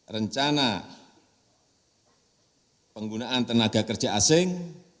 rencana penggunaan tenaga kerja asing